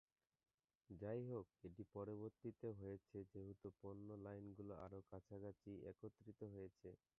যাইহোক, এটি পরিবর্তিত হয়েছে যেহেতু পণ্য লাইনগুলি আরও কাছাকাছি একত্রিত হয়েছে।